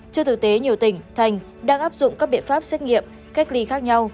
trên thực tế nhiều tỉnh thành đang áp dụng các biện pháp xét nghiệm cách ly khác nhau